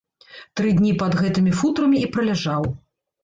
Тры дні пад гэтымі футрамі і праляжаў.